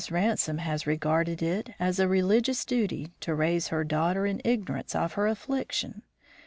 Ransome had regarded it as a religious duty to raise her daughter in ignorance of her affliction.